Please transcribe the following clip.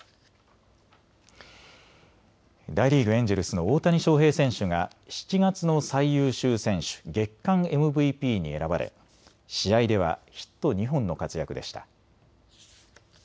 大リーグ、エンジェルスの大谷翔平選手が７月の最優秀選手、月間ＭＶＰに選ばれ試合ではヒット２本の活躍でした。